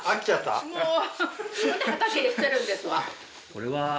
これは。